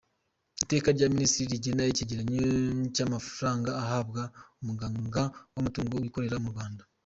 Iteka rya Minisitiri rigena ikigereranyo cy’amafaranga ahabwa umuganga w’amatungo wikorera mu Rwanda ;